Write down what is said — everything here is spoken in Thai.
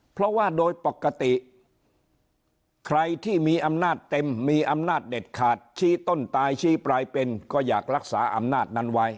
เพราะว่าโดยปกติใครที่มีอำนาจเต็มมีอำนาจเด็ดขาดชี้ต้นตายชี้ปลายเป็นก็อยากรักษาอำนาจนั้นไว้